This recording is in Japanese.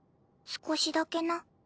少しだけな。